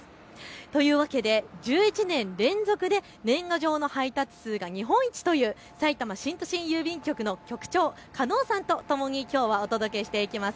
というわけで１１年連続で年賀状の配達数が日本一というさいたま新都心郵便局の局長、加納さんとともにきょうはお届けしていきます。